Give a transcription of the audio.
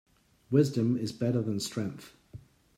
Wisdom is better than strength.